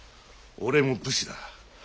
俺も武士だ。